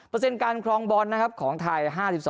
เปอร์เซ็นต์การคลองบอลของไทย๕๒๕